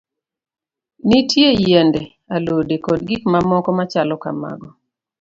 Nitie yiende, alode, kod gik mamoko machalo kamago.